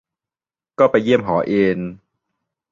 ก็ไปเยี่ยมหอเอน